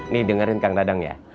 nih dengerin kang dadang ya